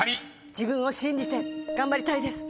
自分を信じて頑張りたいです。